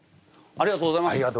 ありがとうございます。